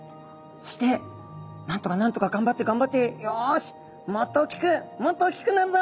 そしてなんとかなんとか頑張って頑張ってよしもっと大きくもっと大きくなるぞ。